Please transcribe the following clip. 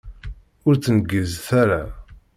Ur ttengizet ara!